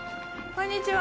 こんにちは。